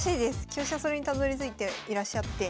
香車それにたどりついていらっしゃって。